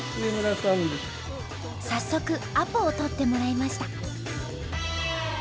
早速アポを取ってもらいました。